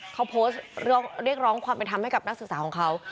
เขาโพสต์เรียกร้องความเป็นธรรมให้กับนักศึกษาของเขา